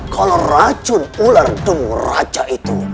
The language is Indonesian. kalau racun ular kemurahan itu